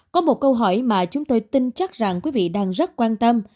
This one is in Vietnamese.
có một câu hỏi mà chúng tôi tin chắc rằng quý vị đang rất quan tâm